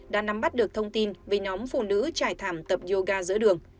đã nắm bắt được thông tin về nhóm phụ nữ trải thảm tập yoga giữa đường